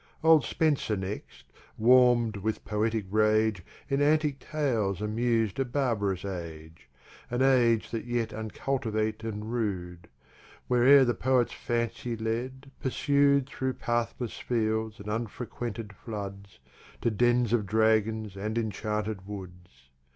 Old Spencer next, warm'd with Poetick Rage, In Antick Tales amus'd a Barb'rous Age; An Age that yet uncultivate and Rude, Where e'er the Poet's Fancy led, pursu'd Through pathless Fields, and unfrequented Floods, To Dens of Dragons and Enchanted Woods.